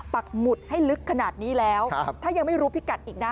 ปักหมุดให้ลึกขนาดนี้แล้วถ้ายังไม่รู้พิกัดอีกนะ